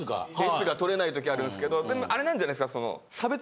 Ｓが取れない時あるんすけどでもあれなんじゃないですか。